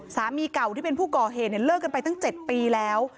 สามีเก่าที่เป็นผู้ก่อเหตุเนี่ยเลิกกันไปตั้ง๗ปีแล้ว